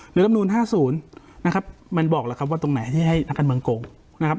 หรือรัฐมนูญห้าศูนย์นะครับมันบอกแหละครับว่าตรงไหนที่ให้นักการเมืองโกงนะครับ